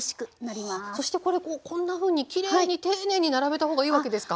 そしてこれこんなふうにきれいに丁寧に並べた方がいいわけですか？